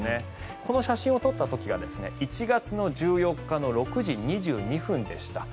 この写真を撮った時が１月１４日の６時２２分でした。